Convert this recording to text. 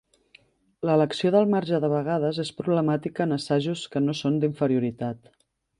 L'elecció del marge de vegades és problemàtica en assajos que no són d'inferioritat.